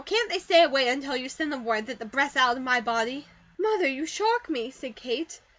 Can't they stay away until you send them word that the breath's out of my body?" "Mother, you shock me," said Kate.